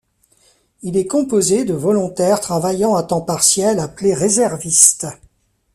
Il est composé de volontaires travaillant à temps partiel appelés réservistes.